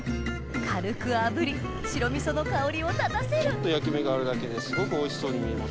軽くあぶり白味噌の香りを立たせるちょっと焼き目があるだけですごくおいしそうに見えます。